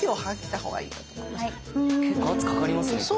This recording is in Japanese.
結構圧かかりますねこれ。